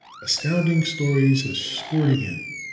Astounding Stories has scored again!